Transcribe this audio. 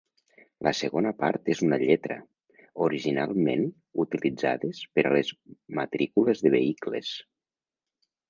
La segona part és una lletra, originalment utilitzades per a les matrícules de vehicles.